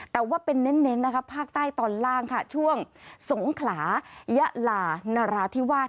แต่ว่าเป็นเน้นนะคะภาคใต้ตอนล่างค่ะช่วงสงขลายะลานราธิวาส